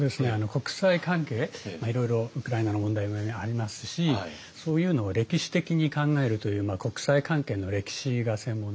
国際関係いろいろウクライナの問題もありますしそういうのを歴史的に考えるという国際関係の歴史が専門で。